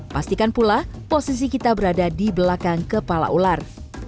pastikan pula posisi kita berada di belakang kepala ular